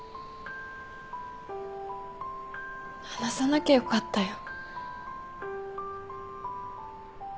話さなきゃよかったよ。